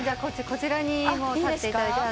こちらに立っていただいて。